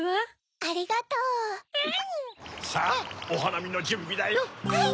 ・さぁおはなみのじゅんびだよ・・はい！